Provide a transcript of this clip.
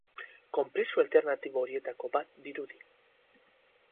Konplexu alternatibo horietako bat dirudi.